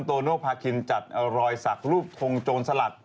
โตโนภาคินจัดรอยสักรูปทงโจรสลัด